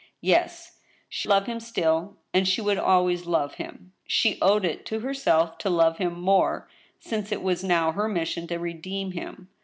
Yes ; she loved him still, and she would always love him. She owed it to herself to love ' him more, since it was now her mission to redeem him.